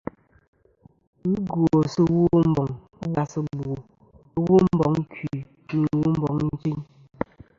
Ghɨ gwòtɨ Womboŋ ɨbwas ɨbwò, womboŋ ikui nɨ womboŋ i tsiyn.